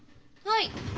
はい。